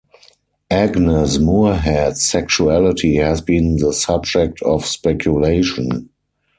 Agnes Moorehead's sexuality has been the subject of speculation.